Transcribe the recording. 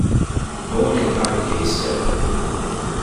Born in Barangay Sto.